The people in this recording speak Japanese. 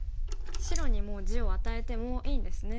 白にもう地を与えてもいいんですね。